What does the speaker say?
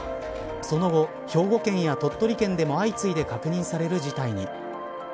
その後、兵庫県や鳥取県でも相次いで確認される事態に。